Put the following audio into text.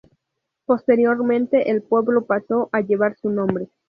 Posteriormente el pueblo pasó a llevar su nombre.